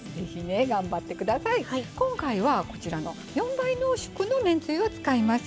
今回は４倍濃縮のめんつゆを使います。